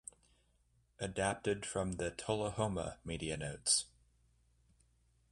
Adapted from the "Tullahoma" media notes.